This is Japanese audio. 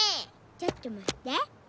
ちょっとまって！